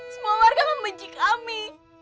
semua warga membenci kami